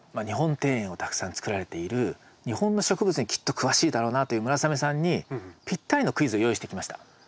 日本庭園をたくさんつくられている日本の植物にきっと詳しいだろうなという村雨さんにぴったりのクイズを用意してきました。